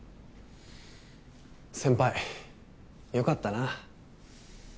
先輩良かったな。